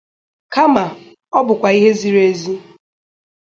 kama ọ bụkwa ihe ziri ezi